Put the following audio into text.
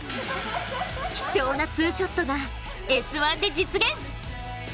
貴重なツーショットが「Ｓ☆１」で実現！